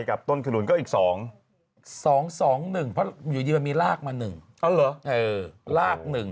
กับต้นขนุนก็อีก๒๒๑เพราะอยู่ดีมันมีลากมา๑ราก๑